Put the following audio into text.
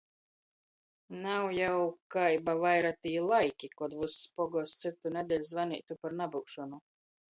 Nav jau kai ba vaira tī laiki, kod vyss pogosts cytunedeļ zvaneitu par nabyušonu.